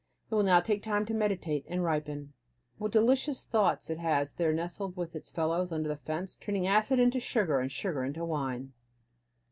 It will now take time to meditate and ripen! What delicious thoughts it has there nestled with its fellows under the fence, turning acid into sugar, and sugar into wine!